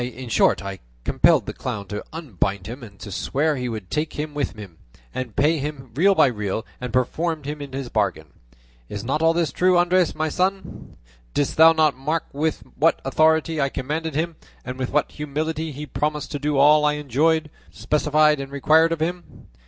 In short, I compelled the clown to unbind him, and to swear he would take him with him, and pay him real by real, and perfumed into the bargain. Is not all this true, Andres my son? Didst thou not mark with what authority I commanded him, and with what humility he promised to do all I enjoined, specified, and required of him?